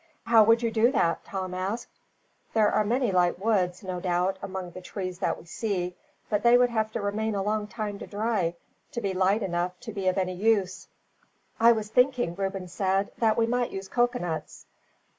"How would you do that?" Tom asked. "There are many light woods, no doubt, among the trees that we see; but they would have to remain a long time to dry, to be light enough to be of any use." "I was thinking," Reuben said, "that we might use coconuts.